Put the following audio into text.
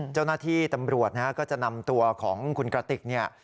เจ้าหน้าที่ตำรวจนะฮะก็จะนำตัวของคุณกระติกเนี่ย